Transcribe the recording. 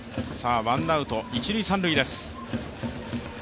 ワンアウト一・三塁です。